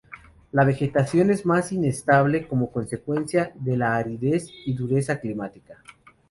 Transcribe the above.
La vegetación es más inestable, como consecuencia de la aridez y dureza climática.